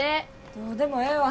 どうでもええわ。